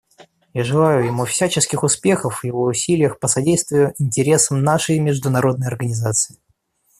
Я желаю ему всяческих успехов в его усилиях по содействию интересам нашей международной организации.